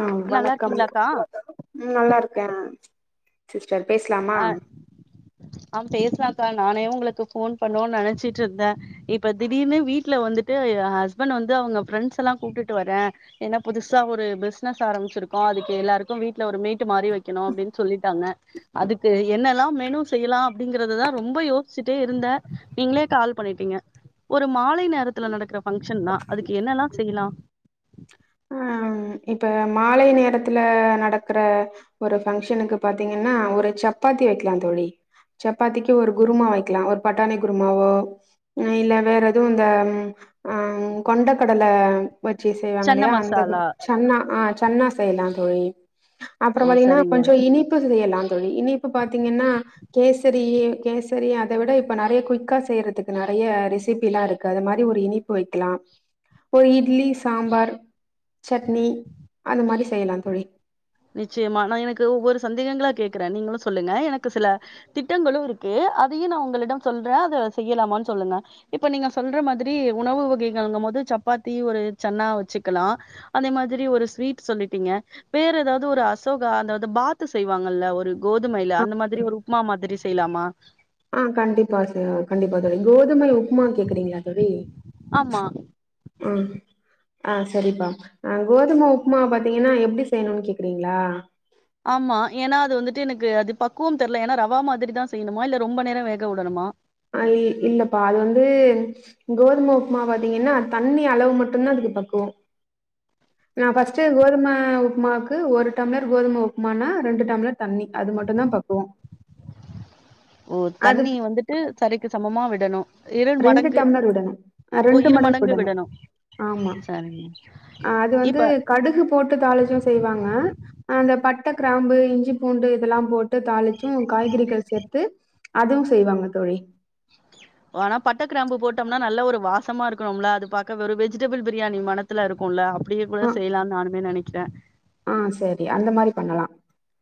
அ நல்லா வணக்கம் இருக்கீங்களாக்கா ம் நல்லார்க்கே சிஸ்டர் பேஸ்லாமா ஆ ஆ பேஸ்லாக்கா நானே உங்களுக்கு ஃபோன் பண்ணோ நினைச்சிட்ருந்த இப்ப திடீனு வீட்ல வந்துட்டு எ ஹஸ்பண் வந்து அவங்க ஃப்ஃரண்ஸ் எல்லா கூப்ட்டுட்டு வரே ஏன்னா புதுசா ஒரு பிசினஸ் ஆரம்பிச்சிருக்கோ அதுக்கு எல்லாருக்கு வீட்ல ஒரு மீட்டு மாரி வைக்கணு அப்டின்னு சொல்லிட்டாங்க அதுக்கு என்னெல்லா மெனு செய்யலா அப்டிங்கறததா ரொம்ப யோசிச்சுட்டே இருந்த நீங்ளே கால் பண்ணிட்டீங்க ஒரு மாலை நேரத்துல நடக்கற பங்க்ஷன் தா அதுக்கு என்னெல்லா செய்லா ஆ இப்ப மாலை நேரத்துல நடக்கற ஒரு பஃங்க்ஷனுக்கு பாத்தீங்கன்னா ஒரு சப்பாத்தி வைக்கலா தோழி சப்பாத்திக்கு ஒரு குருமா வைக்கலா ஒரு பட்டானி குருமாவோ இல்ல வேற எதுவு இந்த அ கொண்ட கடல வச்சி செய்வாங்க சன்ன இல்லையா அந்த மசாலா சன்னா ஆ சன்னா செய்யலா தோழி அப்பற ஓ பாத்தீங்கன்னா சரிங்க கொஞ்சோ இனிப்பு செய்யலா தோழி இனிப்பு பாத்தீங்கன்னா கேசரி கேசரி அத விட இப்ப நறைய குயிக்கா செய்யறதுக்கு நறைய ரெசிபிலா இருக்கு அது மாரி ஒரு இனிப் பு வைக்கலா ஒரு இட்லி சாம்பார் சட்னி அந்த மாரி செய்யலா தோழி நிச்சயமா நா எனக்கு ஒவ்வொரு சந்தேகங்களா கேக்குற நீங்களு சொல்லுங்க எனக்கு சில திட்டங்களு இருக்கு அதையு நான் உங்களிடம் சொல்ற அத செய்யலாமா சொல்லுங்க இப்ப நீங்க சொல்ற மாதிரி உணவு வகைகள்ங்கு போது சப்பாத்தி ஒரு சன்னா வச்சுக்கலா அதே மாதிரி ஒரு ஸ்வீட் சொல்லிட்டீங்க வேற ஏதாவது ஒரு அசோகா அதாவது பாத்து செய்வாங்கல்ல ஒரு கோதுமையில ஆ அந்த மாதிரி ஒரு உப்புமா மாதிரி செய்லாமா ஆ கண்டிப்பா ச கண்டிப்பா தோழி கோதுமை உப்புமா கேக்குறீங்ளா தோழி ஆமா ம் ஆ செரிப்பா கோதும உப்புமா பாத்தீங்கன்னா எப்டி செய்ணுன் கேக்குறீங்ளா ஆமா ஏன்னா அது வந்துட்டு எனக்கு அது பக்குவம் தெர்ல ஏன்னா ரவா மாதிரிதா செய்ணுமா இல்ல ரொம்ப நேரம் வேக விடணுமா அ இல்லப்பா அது வந்து கோதும உப்புமா பாத்தீங்கன்னா தண்ணி அளவு மட்டும்தா அதுக்கு பக்குவோ நா ஃபஸ்ட்டு கோதும உப்புமாக்கு ஒரு டம்ளர் கோதும உப்புமானா ரெண்டு டம்ளர் தண்ணி அது மட்டு தா பக்குவோ ஓ அது தண்ணி வந்துட்டு சரிக்கு சமமா விடணு ரெண்டு டம்ளர் விடணுமஃ ஓ ரெண்டு மடங்கு விடணு விடணும். ஆமா சரிங்க அ அது வந்து இப்ப கடுகு போட்டு தாளிச்சும் செய்வாங்க அந்த பட்ட கிராம்பு இஞ்சி பூண்டு இதெல்லா போட்டு தாளிச்சு காய்கறிகள் சேர்த்து அதும் செய்வாங்க தோழி ஆனா பட்ட கிராம்பு போட்டோம்னா நல்ல ஒரு வாசமா இருக்கணும்ல அது பாக்க வெறு வெஜிடபிள் பிரியாணி மன த்துல இருக்குல்ல அப்படியே கூட அ செய்யலாம்னு நானுமே நனைக்ற ஆ சேரி அந்த மாரி பண்ணலா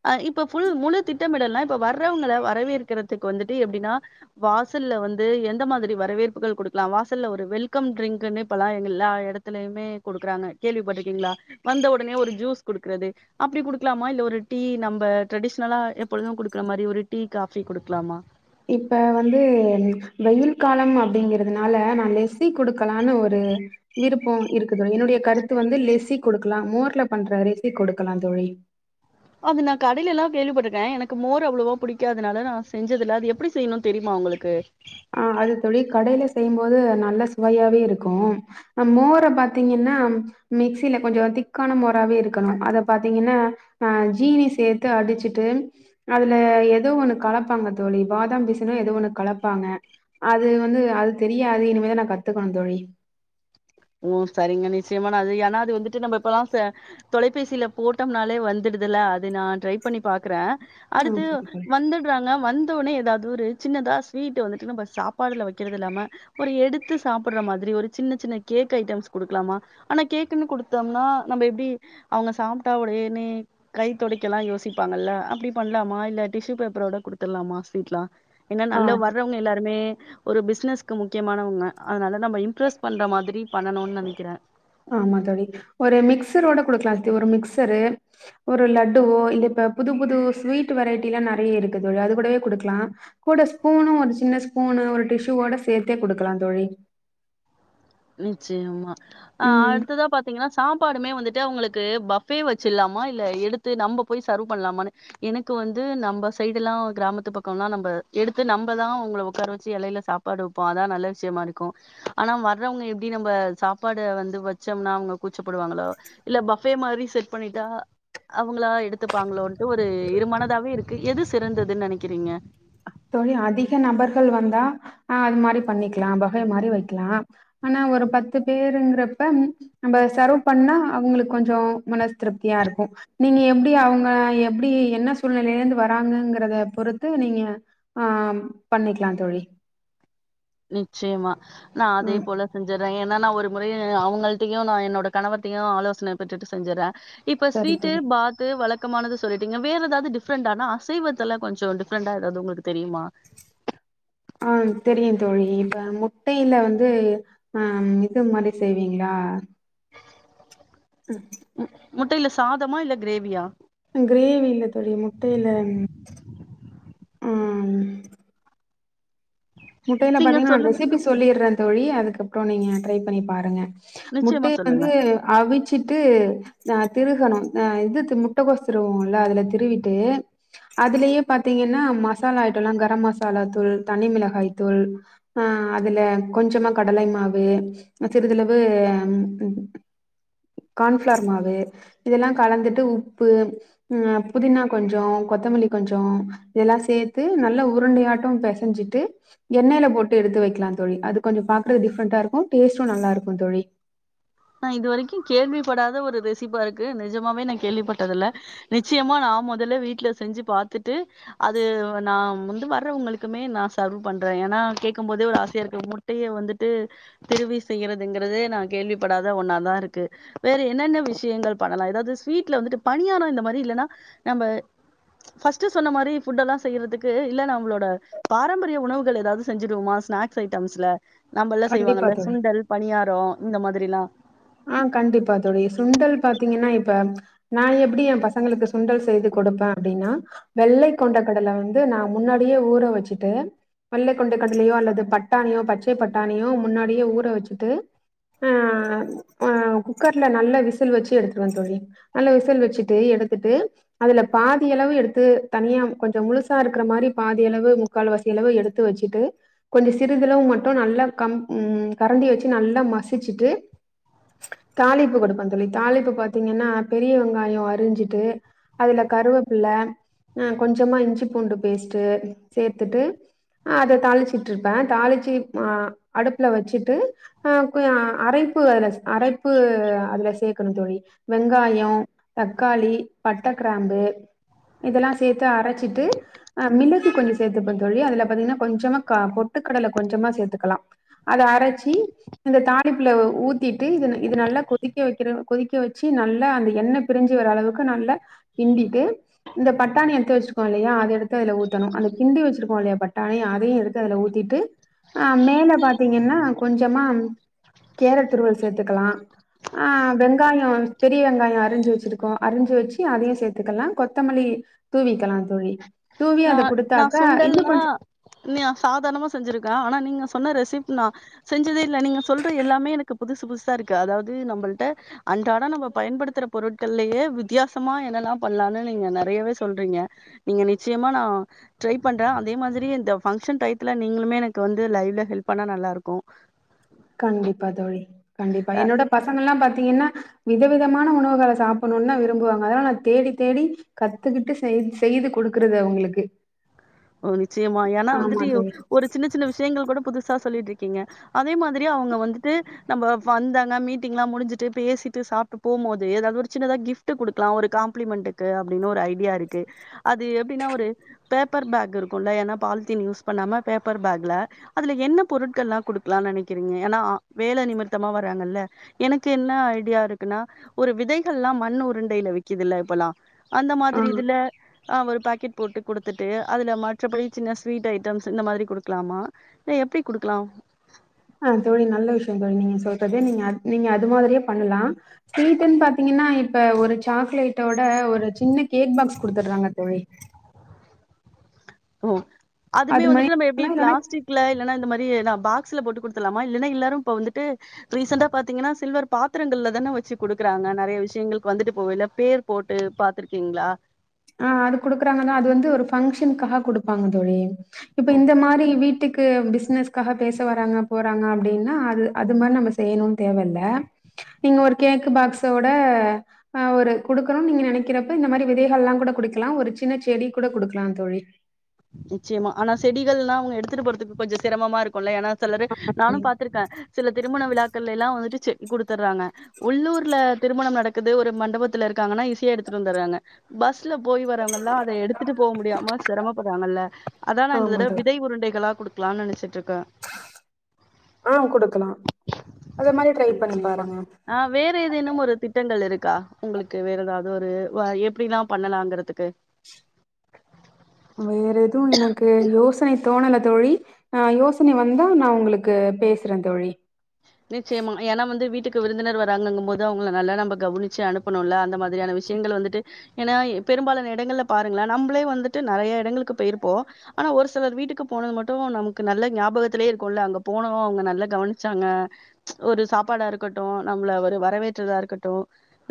ஆ இப்ப ஃபுல் முழு திட்டமிடல்னா இப்ப வர்றவங்கள வரவேற்கறதுக்கு வந்துட்டு எப்டின்னா வாசல்ல வந்து எந்த மாதிரி வரவேற்புகள் குடுக்லா வாசல்ல ஒரு வெல்கம் ட்ரிங்க்னு இப்பல்லா எல்லா இடத்து லயுமே குடுக்குறாங்க கேள்விப்பட்ருக்கீங்ளா வந்த உடனே ஒரு ஜூஸ் குடுக்குறது அப்டி குடுக்கலாமா இல்ல ஒரு டீ நம்ப ட்ரெடிஷ்னலா எப்பொழுதும் குடுக்குற மாரி ஒரு டீ காஃபி குடுக்லாமா இப்ப வந்து வெயில் காலம் அப்படிங்குறதுனாள நா லெஸி குடுக்கலானு ஒரு விருப்போ இருக்கு தோழி என்னுடைய கருத்து வந்து லெசி குடுக்கலா மோர்ல பண்ற லெஸி குடுக்கலா தோழி அது நா கடையிலெல்லா கேள்வி பட்டுருக்க எனக்கு மோர் அவ்ளோவா புடிகாதனாள நா செச்சதுள்ள அது எப்டி செய்யனு தெரிமா உங்களுக் கு ஆ அது தோழி கடைல செய்யும்போது நல்ல சுவையாவே இருக்கு அ மோர பாத்திங்கன்னா மிக்சில கொஞ்ச திக்கான மோராவே இருக்கணு அத பாத்தீங்கனா ஆ ஜீனி சேத்து அடிச்சிட்டு அதுல எதோ ஒன்னு கலப்பாங்க தோழி பாதாம் பிசினோ எதோ ஒன்னு கலப்பாங்க அது வந்து அது தெரியாது இனிமேதா நா கத்துக்கணு தோழி ஓ சரிங்க நிச்சயமா நா அது ஏனா அது வந்துட்டு நம்ப இப்பதா சா தொலைப்பேசில போட்டம்னாலே வந்துடுதுல்ல அது நா ட்ரை பண்ணி பாக்குறே ஆ அடுத்து சரி தோழி. வந்துட்றாங்க வந் ந்தோனே எதாவ்து ஒரு சின்னதா ஸ்வீட்டு வந்துட்டு நம்ப சாப்பாடுல வக்கிறதில்லாம ஒரு எடுத்து சாப்பிட்ற மாதிரி ஒரு சின்ன சின்ன கேக் ஐட்டம்ஸ் குடுக்லாமா ஆனா கேக்குன்னு குடுத்தம்னா நம்ம எப்டி அவுங்க சாப்டா ஒடேனே கை தொடைக்கலா யோசிப்பாங்கல்ல அப்டி பண்லாமா இல்ல டிஷ்யூ பேப்பரோட குடுத்துட்லாமா ஸ்வீட்லா ஏனா ஆ நல்ல வர்றவ்ங்க எல்லாருமே ஒரு பிஸ்னஸ்க்கு முக்கியமானவ்ங்க அதனால நம்ம இம்ப்ரெஸ் பண்ற மாதி ரி பண்ணனூன் நெனைக்கிறே ஆமா தோழி ஒரு மிக்சரோட குடுக்கலா தோ ஒரு மிக்சரு ஒரு லட்டுவோ இல்ல இப்ப புது புது ஸ்வீட் வெரைட்டிலா நெறைய இருக்குதுல அது கூடவே குடுக்லா கூட ஸ்பூனு ஒரு சின்ன ஸ்பூனு ஒரு டிஷூவோட சேத்தே குடுக்கலா தோழி நிச்சயமா ஆ ம் அடுத்ததா பா த்தீங்கனா சாப்பாடுமே வந்துட்டு அவ்ங்களுக்கு பஃபே வச்சிர்லாமா இல்ல எடுத்து நம்ப போய் சர்வ் பண்ணலாமான்னு எனக்கு வந்து நம்ப சைடுலா கிராமத்து பக்கனா நம்ப எடுத்து நம்பதா அவ்ங்கள ஒக்கார வச்சு எலைல சாப் நாடு வெப்போ அதா நல்ல விஷ்யமா இருக்கு ஆனா வர் வர்றவ்ங்க எப்டி நம்ப சாப்பாடு வந்து வச்சம்னா அவ்ங்க கூச்சப்படுவாங்களோ இல்ல பஃபே மாரி செட் பண்ணிட்டா அவ்ங்களா எடுத்துப்பாங்களோன்ட்டு ஒரு இருமனதாவே இருக்கு எது சிறந்ததுன் நெனைக்கிறீங்க தோழி அதிக நபர்கள் வந்தா ஆ அது மாரி பண்ணிக்லா பஃபே மாரி வைக்லா ஆனா ஒரு பத்து பேருங்குறப்ப ம் நம்ப சர்வ் பண்ணா அவ்ங்களுக்கு கொஞ்ச மனஸ் திருப்தியா இருக்கு நீங்க எப்டி அவ்ங்க எப்டி என்ன சூழ்நிலையிலருந்து வராங்கங்கிறத பொறுத்து நீங்க ஆம் பண்ணிக்லா தோழி நிச்சயமா நா அதே ம் போல செஞ்சுறேங்க நானா ஒரு முறையு அவ்ங்கள்டையு நா என்னோட கணவர்டயு ஆலோசனை பெற்றுட்டு செஞ்சுர்றே இப்ப சரி ஸ்வீட்டு தோழி. பாத் து வழக்கமானது சொல்லிட்டீங்க வேற எதாவ்து டிப்ரெண்டானா அசைவத்துல கொஞ்ச டிஃப்ரெண்டா எதாவ்து உங்களுக்கு தெரியுமா ஆ தெரியு தோழி இப்ப முட்டையில வந்து ஆ இது மாரி செய்வீங்களா ஹம் முட்டைல சாதமா இல்ல கிரேவியா அ கிரேவி இல்ல தோழி முட்டைல ம் முட்டைல நீங்க பாத்தீங்னா சொல்லுங்க ரெசிபி சொல்லிட்றே தோழி அதுக்கப்றோ நீங்க ட்ரை பண்ணி பாருங்க நிச்சயமா முட்டைய சொல்லுங்க வந்து அவிச்சிட்டு ஆ திருகணு ஆ இதுக்கு முட்டகோஸ் திருவோம்ல அதுல திருவிட்டு அதுலயே பாத்தீங்கனா மசாலா ஐட்டலா கரம் மசாலா தூள் தனி மிளகாய் தூள் ஆ அதுல கொஞ்சமா கடலை மாவு அ சிறிதளவு கார்ன்ஃபிளார் மாவு இதெல்லா கலந்துட்டு உப்பு ம் புதினா கொஞ்சோ கொத்தமல்லி கொஞ்சோ இதெல்லா சேர்த்து நல்ல உருண்டையாட்டும் பிசஞ்சிட்டு எண்ணெய் ல போட்டு எடுத்து வைக்கலா தோழி அது கொஞ்சோ பாக்க டிஃப்ரண்டா இருக்கும் டேஸ்டும் நல்லா இருக்கும் தோழி நா இது வரைக்கு கேள்வி படாத ஒரு ரெசிப்பா இருக்கு நிஜமாவே நா கேள்விப்பட்டது இல்ல நிச்சயமா நா முதல்ல வீட்டுல செஞ்சு பாத்துட்டு அது நா வந்து வர்றவுங்களுக்குமே நா சர்வ் பண்றே ஏன்னா கேக்கும் போதே ஒரு ஆசையா இருக்கு முடி டியே வந்துட்டு திருவி செய்யறதுங்குறதே நா கேள்விப்படாத ஒன்னாதா இருக்கு வேற என்னென்ன விஷயங்கள் பண்ணலா ஏதாவது ஸ்வீட்ல வந்துட்டு பணியாரம் இந்த மாதிரி இல்லன்னா நம்ம ஃபர்ஸ்ட்டு சொன்ன மாரி ஃபுட் எல்லா செய்யறதுக்கு இல்ல நம்ளோட பாரம்பரிய உணவுகள் ஏதாவது செஞ்சுடுவோமா ஸ்நாக்ஸ் ஐட்டம்ஸ்ல நம்மல்லா கண்டிப்பா செய்வாங்கல்ல தோழி சுண்டல் பணியாரம் இந்த மாதிரல்லா ஆ கண்டிப்பா தோழி சுண்டல் பாத்தீங்கன்னா இப்ப நானு எப்படி என் பசங்களுக்கு சுண்டல் செய்து கொடுப்ப அப்டின்னா வெள்ளை கொண்ட கடலை வந்து நா முன்னாடியே ஊற வச்சுட்டு வெள்ளைக் கொண்ட கடலையோ அல்லது பட்டாணியோ பச்சை பட்டாணியோ முன்னாடியே ஊற வச்சுட்டு ஆ குக்கர்ல நல்லா விசில் வச்சு எடுத்துடுவே தோழி நல்லா விசில் வச்சுட்டு எடுத்துட்டு அதுல பாதி அளவு எடுத்து தனியா கொஞ்சோ முழுசா இருக்குற மாரி பாதியளவு முக்கால் வாசி அளவு எடுத்து வச்சிட்டு கொஞ்சோ சிறிதளவு மட்டும் நல்லா கம் ம் கரண்டி வச்சு நல்லா மசிச்சுட்டு தாளிப்பு கொடுப்பே தோழி தாளிப்பு பாத்தீங்கன்னா பெரிய வெங்காயம் அரிஞ்சிட்டு அதுல கருவேப்பில்ல ஆ கொஞ்சமா இஞ்சி பூண்டு பேஸ்ட்டு சேத்துட்டு ஆ அத தாளிச்சுட்டுருப்பே தாளிச்சு ஆ அடுப்புல வச்சிட்டு அ அரைப்பு அதுல அரைப்பு அதுல சேர்க்கணு தோழி வெங்காயம் தக்காளி பட்ட கிராம்பு இதெல்லா சேர்த்து அரச்சிட்டு அ மிளகு கொஞ்சோ சேர்த்துப்பே தோழி அதுல பாத்தீங்கன்னா கொஞ்சமா பொட்டுக்கடல கொஞ்சமா சேர்த்துக்கலாம் அத அரச்சி இந்த தாளிப்புள்ள ஊ சுத்திட்டு இது இது நல்லா கொதிக்க வைக்கிற கொதிக்க வச்சு நல்லா அந்த எண்ண பிரிஞ்சி வர அளவுக்கு நல்ல கிண்டிட்டு இந்த பட்டாணி எடுத்து வச்சிருக்கோ இல்லையா அது எடுத்து அதுல ஊத்தணு அந்த கிண்டி வச்சிருக்கோ இல்லையா பட்டாணி அதையு எடு த்தீ அதுல ஊத்திட்டு அ மேல பாத்தீங்கன்னா கொஞ்சமா கேரட் துருவல் சேத்துக்கலா ஆ வெங்காயம் பெரிய வெங்காயம் அரிஞ்சு வச்சிருக்கோ அரிஞ்சு வச்சு அதையு சேர்த்துக்கலா கொத்தமல்லி தூவிக்கலா தோழி தூவி அத குடுத்தாக்க இன்னு கொஞ்சோ நீ சாதாரணமா செஞ்சிருக்க ஆனா நீங்க சொன்ன ரெசிப் நா செஞ்சதே இல்ல நீங்க சொல்ற எல்லாமே எனக்கு புதுசு புதுசா இருக்கு அதாவது நம்மள்ட அன்றாட நம்ம பயன்படுத்துற பொருட்கள்லயே வித்தியாசமா என்னல்லா பண்ணலான்னு நீங்க நிறையவே சொல்றீங்க நீங்க நிச்சயமா நா ட்ரை பண்றே அதே மாதிரி இந்த பங்க்ஷன் டைத்துல நீங்களுமே எனக்கு வந்து லைவ்ல ஹெல்ப் பண்ணா நல்லா இருக்கு கண்டிப்பா தோழி கண்டிப்பா என்னோட பசங்க எல்லா பாத்தீங்கன்னா வித விதமான உணவுகள சாப்பிடணும்தா விரும்புவாங்க அதனால நா தேடி தேடி கத்துக்கிட்டு செய் செய்து குடுக்குறது அவுங்களுக்கு ஓ நிச்சயமா ஏன்னா ஆமா வந்துட்டு தோழி ஒரு சின்ன சின்ன விஷயங்கள் கூட புதுசா சொல்லிட்டு இருக்கீங்க அதே மாதிரி அவுங்க வந்துட்டு நம்ம வந்தன்னா மீட்டிங்லா முடிஞ்சுட்டு பேசிட்டு சாப்ட்டு போம்போது ஏதாவது ஒரு சின்னதாக கிஃப்ட் கிஃப்ட் குடுக்கலா ஒரு காம்பிளிமெண்ட்டுக்கு அப்டின்னு ஒரு ஐடியா இருக்கு அது எப்டின்னா ஒரு பேப் பேப்பர் பேக் இருக்குல்ல ஏனா பால்த்தீன் யூஸ் பண்ணாம பேப்பர் பேக்ல அதுல என்ன பொருட்கள்லா குடுக்கலானு நெனக்கிறீங்க ஏனா வேல நிமித்தமா வர்றாங்கல்ல எனக்கு என்ன ஐடியா இருக்குனா ஒரு விதைகள்லா மண் உருண்டையில விக்குதுல இப்பல்லா அந்த ஆ மாதிரி இதுல ஆ ஒரு பாக்கெட் போட்டு குடுத்து ட்டு அதுல மற்றபடி சின்ன ஸ்வீட் ஐட்டம்ஸ் இந்த மாதிரி குடுக்கலாமா இல்ல எப்டி குடுக்கலா ஆ தோழி நல்ல விஷ்யோ தோழி நீங்க சொல்றதே நீங்க நீங்க அது மாதிரியே பண்ணலா ஸ்வீட்டுனு பாத்தீங்கனா இப்ப ஒரு சாக்லேட்டோட ஒரு சின்ன கேக் பாக்ஸ் குடுத்துட்றாங்க தோழி ஓ அதுமே அது மாரி வந்துட்டு நம்ம எப்டி இல்லனா பிளாஸ்டிக் ல இல்லன்னா இந்த மாதிரி நா பாக்ஸ்ல போட்டு குடுத்தத்துலாமா இல்ன்னா எல்லாரும் இப்ப வந்துட்டு ரிசெண்டா பாத்தீங்கன்னா சில்வர் பாத்திரங்கள்ல தானே வச்சு குடுக்குறாங்க நெறைய விஷயங்களுக்கு வந்துட்டு போகையில பேர் போட்டு பாத்துருக்கீங்களா ஆஹ அது குடுக்குறாங்கனா அது வந்து ஒரு ஃபங்க்ஷனுக்காக குடுப்பாங்க தோழி இப்ப ஓ இந்த மாரி வீட்டு க்கு பிசினஸ்க்காக பேச வராங்க போறாங்க அப்டினா அது அது மாரி நம்ம செய்யணுன்னு தேவயில்ல நீங்க ஒரு கேக் பாக்ஸோட ஆ ஒரு குடுக்கணுன் நீங்க நெனக்கிறப்ப இந்த மாரி விதைகள்லா கூட குடுக்கலா ஒரு சின்ன செடி கூட குடுக்கலா தோழி நிச்சயமா ஆனா செடிகள்லா அவுங்க எடுத்துட்டு போறதுக்கு கொஞ்சோ சிரமமா இருக்குல்ல ஏனா செலரு நானு பாத்துருக்க சில திருமண விழாக்கள்ல எல்லா வந்துட்டு செ குடுத்துர்றாங்க உள்ளூர்ல திருமணம் நடக்குது ஒரு மண்டபத்துல இருக்காங்கனா ஈசியா எடுத்துட்டு வந்துர்றாங்க பஸ்ல போயி வரவுங்கள்லா அத எடுத்துட்டு போக முடியாம செ போடுறாங்கல்ல அதா நா இந்த ஆமா தட தோழி. விதை உருண்டைகளா குடுக்கலானு நெனச்சிட்டு இருக்க ஆ குடுக்கலா அத மாரி ட்ரை பண்ணி நிச்சயமா. பாருங்க ஆ வேற ஏதேனும் ஒரு திட்டங்கள் இருக்கா உங்களுக்கு வேற எதாவது ஒரு வ எப்டிலா பண்ணலாங்கிறதுக்கு வேற எதுவு எனக்கு யோசனை தோணல தோழி ஆ யோசனை வந்தா நா உங்களுக்கு பேசுற தோழி நிச்சயமா ஏனா வந்து வீட்டுக்கு விருந்தினர் வராங்கங்கபோது அவுங்கள நல்ல நம்ப கவனிச்சு அனுப்பணுல்ல அந்த மாதிரியான வி ஷியங்கள வந்துட்டு ஏனா இ பெரும்பாலான இடங்கள்ல பாருங்களே நம்பளே வந்துட்டு நெறைய இடங்களுக்கு போயிருப்போ ஆனா ஒரு சிலர் வீட்டுக்கு போனது மட்டு நமக்கு நல்ல ஞாபகத்துலயே இருக்குல்ல அங்க போனவு அவுங்க நல்லா கவனிச்சாங்க ஒரு சாப்பாடா இருக்கட்டு நம்மள ஒரு வரவேற்றதா இருக்கட்டு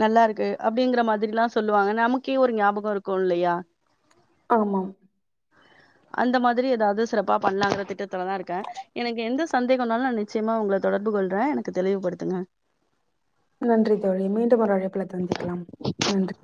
நல்லாருக்கு அப்டிங்கிற மாதிரில்லா சொல்லுவாங்க நமக்கே ஒரு ஞாபக இருக்கு இல்லயா ஆமா அந்த மாதிரி எதாவது சிறப்பா பண்ணலாங்கிற திட்டத்துல தா இருக்கே எனக்கு எந்த சந்தேகனாலு நா நிச்சயமா உங்கள தொடர்பு கொள்ற எனக்கு தெளிவுபடுத்துங்க நன்றி தோழி மீண்டும் ஒரு அழைப்புல தந்திக்கலாம் நன்றி